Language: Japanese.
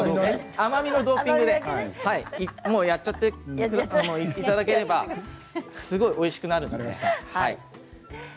甘みのドーピングやっていただければすごくおいしくなるので。